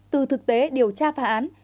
từ thực tế điều tra phá án